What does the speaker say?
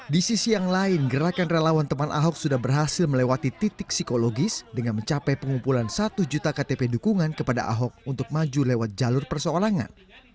di sisi yang lain gerakan relawan teman ahok sudah berhasil melewati titik psikologis dengan mencapai pengumpulan satu juta ktp dukungan kepada ahok untuk maju lewat jalur perseorangan